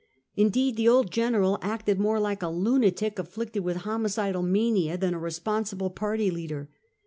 Indeed, the old general acted more like a lunatic afflicted with homicidal mania than a responsible party leader.